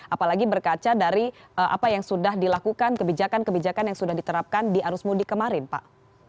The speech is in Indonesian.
apalagi berkaca dari apa yang sudah dilakukan kebijakan kebijakan yang sudah diterapkan di arus mudik kemarin pak